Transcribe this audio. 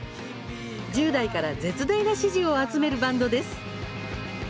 １０代から絶大な支持を集めるバンドです。